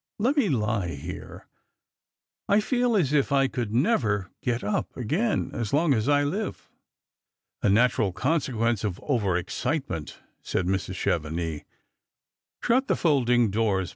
Let me lie here ; I feel as if I could never get ip again as long as I live." " A natural consequence of over excitement," said Mrs. Chevenix. " Shut the folding doors.